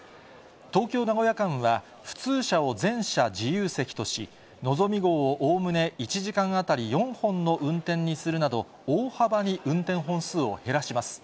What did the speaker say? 東京・名古屋間は普通車を全車自由席とし、のぞみ号をおおむね１時間当たり４本の運転にするなど、大幅に運転本数を減らします。